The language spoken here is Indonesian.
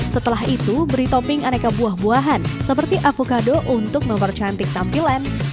setelah itu beri topping aneka buah buahan seperti avocado untuk mempercantik tampilan